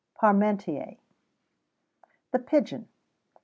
PARMENTIER. THE PIGEON.